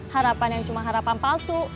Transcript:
harapan yang cuma harapan palsu